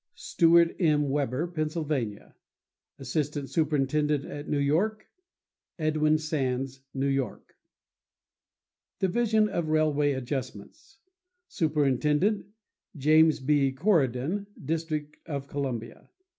—Stewart M. Weber, Pennsylvania. Assistant Superintendent at New York.—Edwin Sands, New York. Division of Railway Adjustments.— Superintendent.—James B. Corridon, District of Columbia.